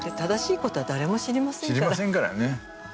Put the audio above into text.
知りませんからね。